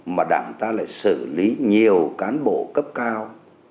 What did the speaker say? mà đảng ta lại xử lý nhiều cán bộ cấp cao